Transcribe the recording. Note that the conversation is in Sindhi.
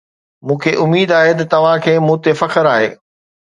مون کي اميد آهي ته توهان کي مون تي فخر آهي.